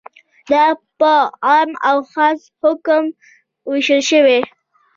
دا په عام او خاص حکم ویشل شوی.